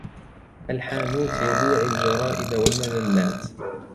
الحانوت يبيع الجرائد و المجلات.